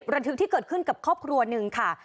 ระทึกที่เกิดขึ้นกับครอบครัวหนึ่งค่ะ